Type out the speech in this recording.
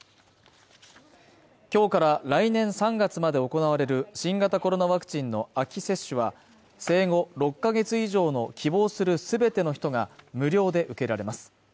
きょうから来年３月まで行われる新型コロナワクチンの秋接種は生後６か月以上の希望する全ての人が無料で受けられます